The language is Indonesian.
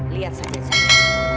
lihat saja zahira